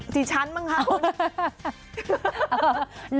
สิฉันมั้งค่ะคุณ